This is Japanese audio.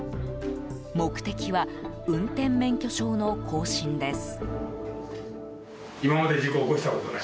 目的は、運転免許証の更新です。